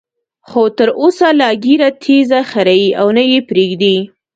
خو تر اوسه لا ږیره تېزه خرېي او نه یې پریږدي.